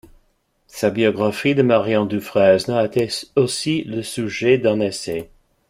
Sa biographie de Marion Dufresne a été aussi le sujet d’un essai.